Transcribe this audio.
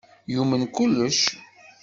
Yumen kullec.